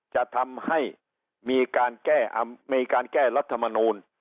จะทำให้มีการแก้มีการแก้รัฐมนูล